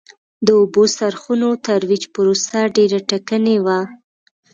د اوبو څرخونو ترویج پروسه ډېره ټکنۍ وه